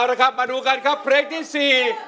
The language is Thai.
เอาละครับมาดูกันครับเพลงที่สี่